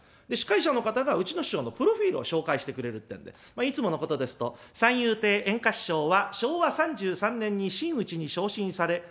で司会者の方がうちの師匠のプロフィールを紹介してくれるってんでいつものことですと「三遊亭圓歌師匠は昭和３３年に真打に昇進され」。